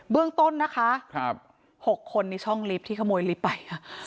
เรื่องต้นนะคะ๖คนในช่องลิฟท์ที่ขโมยลิฟต์ไป